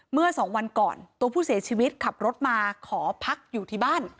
เมื่อสองวันก่อนตัวผู้เสียชีวิตขับรถมาขอพักอยู่ที่บ้าน